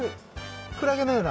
クラゲのような。